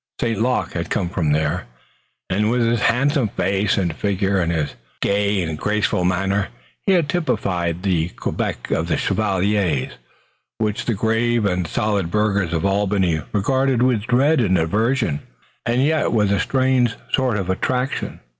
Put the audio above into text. St. Luc had come from there, and with his handsome face and figure and his gay and graceful manner he had typified the Quebec of the chevaliers, which the grave and solid burghers of Albany regarded with dread and aversion and yet with a strange sort of attraction.